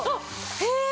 へえ！